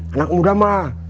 anak muda mah